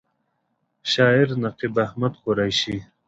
شاعر: نقیب احمد قریشي